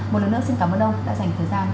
một lần nữa xin cảm ơn ông đã dành thời gian